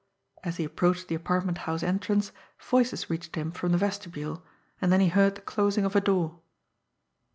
As he approached the apartment house entrance, voices reached him from the vestibule, and then he heard the closing of a door.